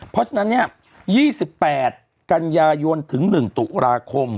เพราะฉะนั้นเนี้ยยี่สิบแปดกันยายนถึงหนึ่งตุลาคม